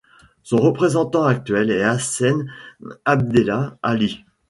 Son représentant actuel est Hassen Abdela Ali.